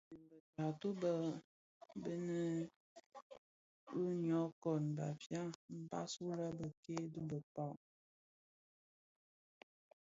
Gom inèn bë taatoh bë bënèn, bë nyokon (Bafia) mbas wu lè bekke dhi bëkpag,